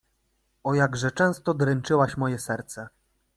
O, jakże często dręczyłaś moje serce!